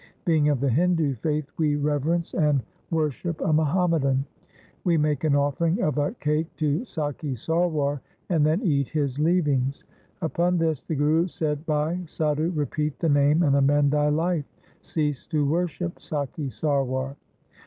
Being of the Hindu faith we reverence and worship a Muhammadan. We make an offering of a cake to Sakhi Sarwar and then eat his leavings.' Upon this the Guru said, ' Bhai Sadhu, repeat the Name and amend thy life. Cease to worship Sakhi Sarwar.'